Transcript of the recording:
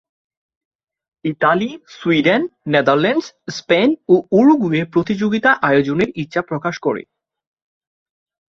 Italy, Sweden, Netherlands, Spain ও Uruguay প্রতিযোগিতা আয়োজনের ইচ্ছা প্রকাশ করে।